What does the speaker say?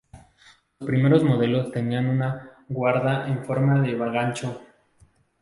Los primeros modelos tenían una guarda en forma de gancho.